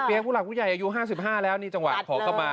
ผู้หลักผู้ใหญ่อายุ๕๕แล้วนี่จังหวะขอกลับมา